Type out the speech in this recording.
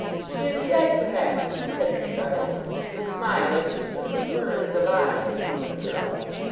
'She is dead, perhaps,' said Miss Dartle, with a smile, as if she could have spurned the body of the ruined girl.